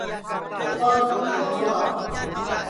سپا رت پِیگا چھورا